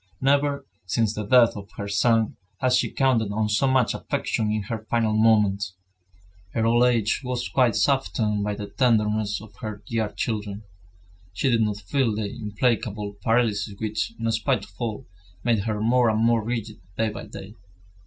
Never, since the death of her son, had she counted on so much affection in her final moments. Her old age was quite softened by the tenderness of her dear children. She did not feel the implacable paralysis which, in spite of all, made her more and more rigid day by day.